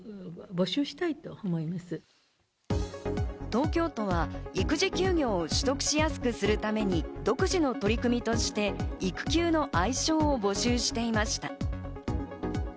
東京都は育児休業を取得しやすくするために、独自の取り組みとして、育休の愛称を募集していました。